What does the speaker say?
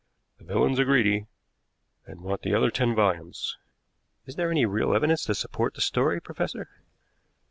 The villains are greedy, and want the other ten volumes." "Is there any real evidence to support the story, professor?"